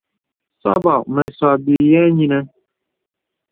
Sɔbɔ̄ mə sɔ̄ bìyɛ yìnə̀.